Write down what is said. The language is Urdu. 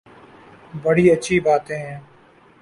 بڑی اچھی باتیں ہیں۔